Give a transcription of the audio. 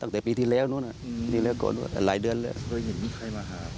เคยเห็นมีใครมาหาเพราะว่าคุณมี